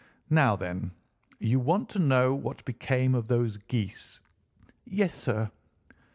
Now, then! You want to know what became of those geese?" "Yes, sir."